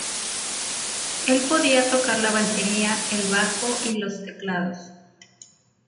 Él podía tocar la batería, el bajo y los teclados.